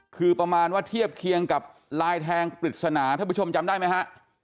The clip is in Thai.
คือประมาณว่าเทียบเคียงกับลายแทงปริศนาท่านผู้ชมจำได้ไหมฮะ